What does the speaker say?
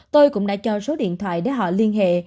tôi cũng đã cho số điện thoại để họ liên hệ